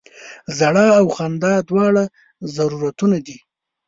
ژړا او خندا دواړه ضرورتونه دي.